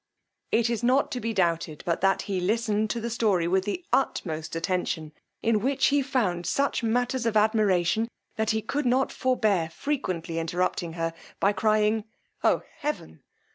It is not to be doubted but that he listened to the story with the utmost attention, in which he found such matters of admiration, that he could not forbear frequently interrupting her, by crying, Oh heaven!